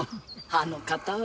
あの方は。